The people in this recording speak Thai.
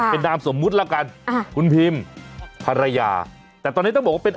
เป็นนามสมมุติแล้วกันอ่าคุณพิมภรรยาแต่ตอนนี้ต้องบอกว่าเป็น